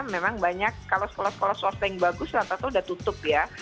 memang banyak kalau sekolah sekolah swasta yang bagus latar latar sudah tutup